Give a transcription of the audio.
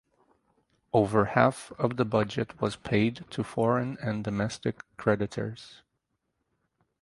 Over half of the budget was paid to foreign and domestic creditors.